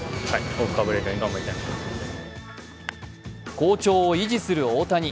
好調を維持する大谷。